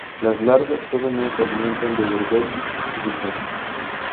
Las larvas jóvenes se alimentan de "Berberis vulgaris".